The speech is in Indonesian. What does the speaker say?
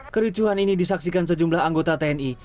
kericuhan ini disaksikan sejumlah anggota tni